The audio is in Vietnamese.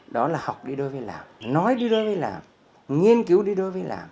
đó là học đi đôi với làm nói đi đôi với làm nghiên cứu đi đôi với làm